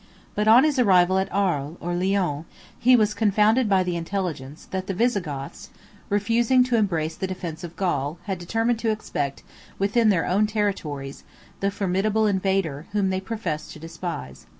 36 But on his arrival at Arles, or Lyons, he was confounded by the intelligence, that the Visigoths, refusing to embrace the defence of Gaul, had determined to expect, within their own territories, the formidable invader, whom they professed to despise.